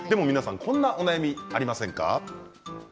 こんなお悩みありませんか。